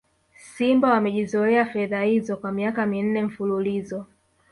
Simba wamejizolea fedha hizo kwa miaka minne mfululizo